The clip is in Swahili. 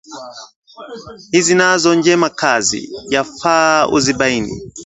Hizi nazo njema kazi, yafaa uzibaini